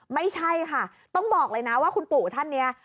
ไม่ใช่ค่ะต้องบอกเลยนะว่าคุณปู่ท่านเนี่ย